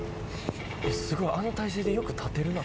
すごいあの体勢でよく立てるな。